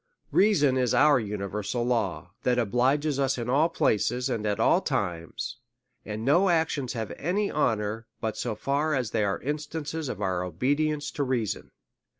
Reason is our universal law, that obliges us in all places and at all times ; and no actions have any ho nour, but so far as they are instances of our obedience to reason.